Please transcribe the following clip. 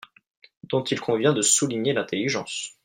dont il convient de souligner l’intelligence.